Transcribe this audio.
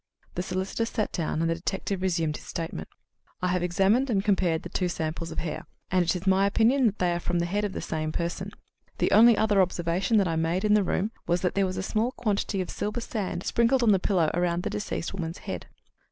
The solicitor sat down, and the detective resumed his statement. "I have examined and compared the two samples of hair, and it is my opinion that they are from the head of the same person. The only other observation that I made in the room was that there was a small quantity of silver sand sprinkled on the pillow around the deceased woman's head."